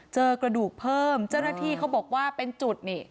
เจอกระดูกเพิ่มเจ้าหน้าที่เขาบอกว่าเป็นจุดนี่